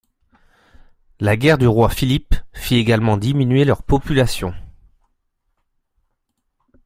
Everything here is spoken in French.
La guerre du Roi Philip, fit également diminuer leur population.